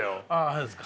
そうですか。